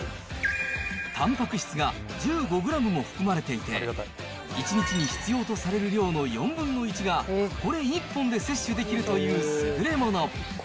たんぱく質が１５グラムも含まれていて、１日に必要とされる量の４分の１が、これ１本で摂取できるという優れもの。